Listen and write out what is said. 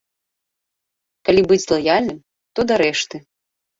Калі быць лаяльным, то да рэшты.